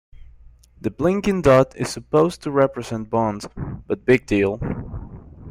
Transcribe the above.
The blinking dot is supposed to represent Bond, but big deal.